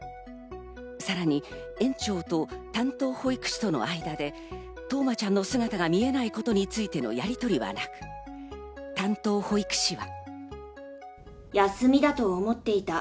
さらに園長と担当保育士との間で冬生ちゃんの姿が見えないことについてのやりとりはなく、担当保育士は。